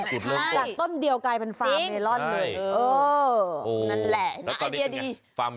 จากต้นเดียวกลายเป็นฟาร์มเมลอนเลย